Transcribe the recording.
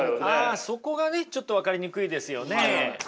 あそこがねちょっと分かりにくいですよね。